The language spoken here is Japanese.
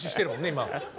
今。